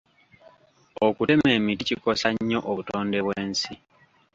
Okutema emiti kikosa nnyo obutonde bw'ensi.